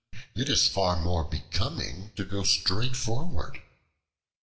It is far more becoming to go straight forward."